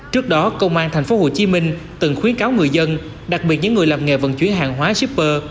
trước đó công an tp hcm từng khuyến cáo người dân đặc biệt những người làm nghề vận chuyển hàng hóa shipper